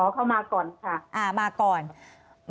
อ๋อเขามาก่อนค่ะ